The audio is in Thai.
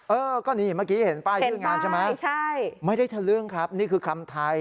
เออก็นี่เมื่อกี้เห็นป้ายชื่องานใช่ไหมไม่ได้ทะลึ่งครับนี่คือคำไทย